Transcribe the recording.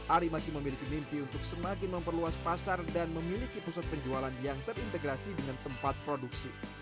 ari masih memiliki mimpi untuk semakin memperluas pasar dan memiliki pusat penjualan yang terintegrasi dengan tempat produksi